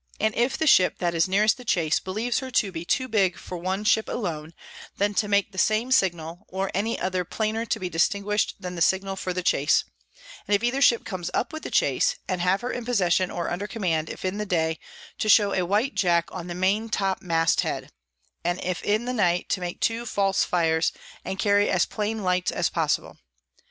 And if the Ship that is nearest the Chase believes her to be too big for one Ship alone, then to make the same Signal, or any other plainer to be distinguish'd than the Signal for the Chase: And if either Ship comes up with the Chase, and have her in possession or under command, if in the day, to show a white Jack on the Maintop Mast head; and if in the night, to make two false Fires, and carry as plain Lights as possible.